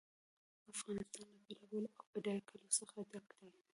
افغانستان له بېلابېلو او بډایه کلیو څخه ډک دی.